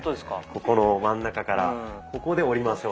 ここの真ん中からここで折りましょうと。